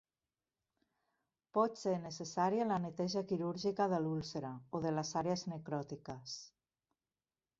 Pot ser necessària la neteja quirúrgica de l'úlcera o de les àrees necròtiques.